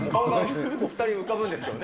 ２人、浮かぶんですけどね。